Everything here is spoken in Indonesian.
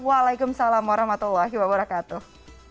waalaikumsalam warahmatullahi wabarakatuh